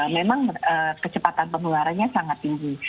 memang kecepatan penularannya sangat tinggi